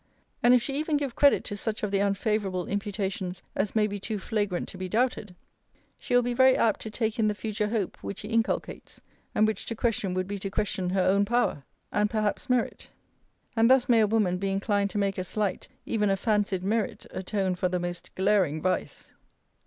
And if she even give credit to such of the unfavourable imputations as may be too flagrant to be doubted, she will be very apt to take in the future hope, which he inculcates, and which to question would be to question her own power, and perhaps merit: and thus may a woman be inclined to make a slight, even a fancied merit atone for the most glaring vice.